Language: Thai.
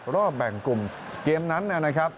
รอบแบ่งกลุ่มเกมนั้นนะครับ